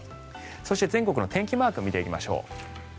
そして、全国の天気マークを見ていきましょう。